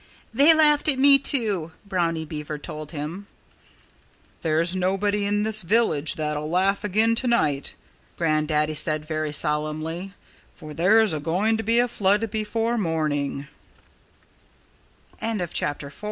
"They laughed at me, too," Brownie Beaver told him. "There's nobody in this village that'll laugh again tonight," Grandaddy said very solemnly, "for there's a going to be a flood before